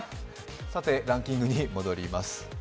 ランキングに戻ります。